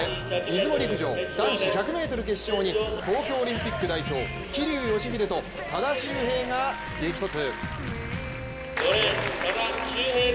出雲陸上男子１００ｍ決勝に東京オリンピック代表桐生祥秀と多田修平が激突。